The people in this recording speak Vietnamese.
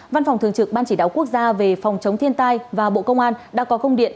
văn phòng thường trực ban chỉ đạo quốc gia về phòng chống thiên tai và bộ công an đã có công điện